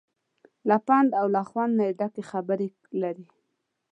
له پند او له خوند نه ډکې خبرې لري.